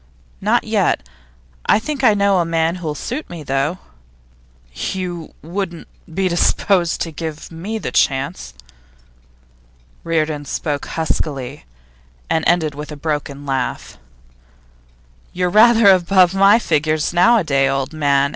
'Not yet. I think I know a man who'll suit me, though.' 'You wouldn't be disposed to give me the chance?' Reardon spoke huskily, and ended with a broken laugh. 'You're rather above my figure nowadays, old man!